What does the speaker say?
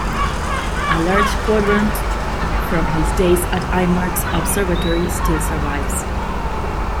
A large quadrant from his days at Eimmart's observatory still survives.